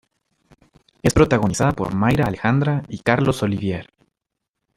Es protagonizada por Mayra Alejandra y Carlos Olivier.